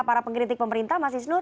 para pengkritik pemerintah mas isnur